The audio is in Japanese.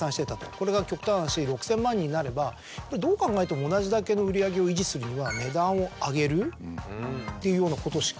これが極端な話６０００万になればどう考えても同じだけの売り上げを維持するには値段を上げるっていうようなことしか。